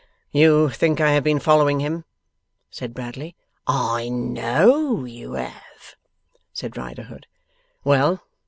'You think I have been following him?' said Bradley. 'I KNOW you have,' said Riderhood. 'Well!